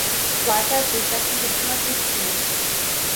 Toate acestea țin de prima chestiune.